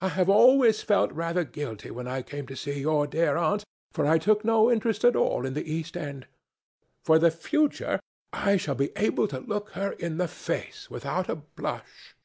"I have always felt rather guilty when I came to see your dear aunt, for I take no interest at all in the East End. For the future I shall be able to look her in the face without a blush."